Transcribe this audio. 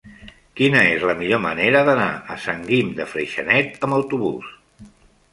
Quina és la millor manera d'anar a Sant Guim de Freixenet amb autobús?